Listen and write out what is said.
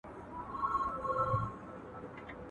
دا روغن په ټول دوکان کي قیمتې وه.